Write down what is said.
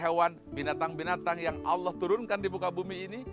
karena hewan hewan binatang binatang yang allah turunkan di buka bumi ini